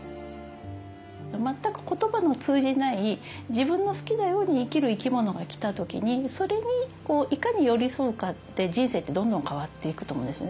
全く言葉の通じない自分の好きなように生きる生き物が来た時にそれにいかに寄り添うかで人生ってどんどん変わっていくと思うんですね。